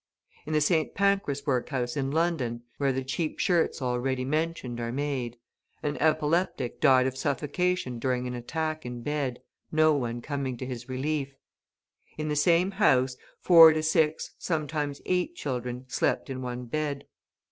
In the St. Pancras workhouse in London (where the cheap shirts already mentioned are made), an epileptic died of suffocation during an attack in bed, no one coming to his relief; in the same house, four to six, sometimes eight children, slept in one bed.